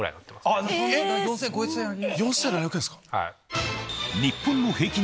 ４７００円っすか⁉